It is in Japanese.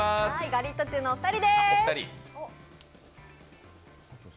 ガリットチュウのお二人です！